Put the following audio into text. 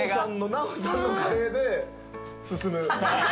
奈緒さんのカレーで進む。